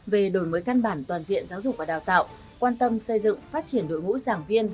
về đổi mới căn bản toàn diện giáo dục và đào tạo quan tâm xây dựng phát triển đội ngũ giảng viên